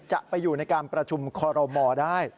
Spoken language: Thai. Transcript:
จะไปอยู่ในการประชุมคอรมอลได้